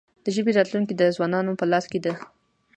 د ژبې راتلونکې د ځوانانو په لاس کې ده.